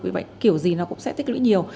vì vậy kiểu gì nó cũng sẽ tích lũy nhiều